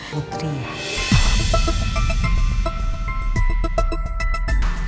biar putrinya bisa istirahat dulu